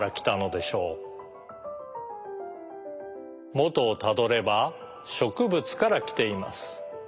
もとをたどればしょくぶつからきています。